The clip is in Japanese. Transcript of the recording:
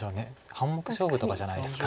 半目勝負とかじゃないですか。